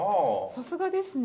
さすがですね。